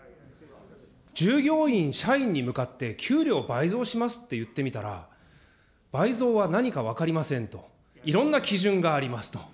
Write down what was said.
従業員、社員に向かって給料倍増しますって言ってみたら、倍増は何か分かりませんと、いろんな基準がありますと。